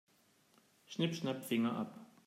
Schnipp-schnapp, Finger ab.